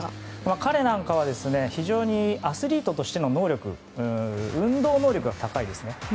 彼なんかは非常にアスリートとしての能力運動能力が高いですね。